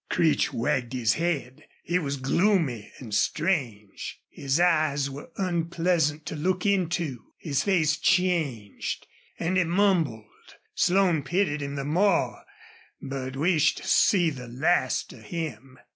Creech wagged his head. He was gloomy and strange. His eyes were unpleasant to look into. His face changed. And he mumbled. Slone pitied him the more, but wished to see the last of him.